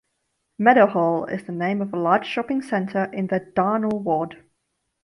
'Meadowhall' is the name of a large shopping centre in the Darnall ward.